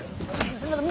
すいません！